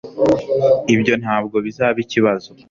ibyo ntabwo bizaba ikibazo